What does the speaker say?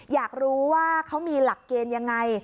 อยากรู้ว่าเขามีหลักเกณฑ์ยังไง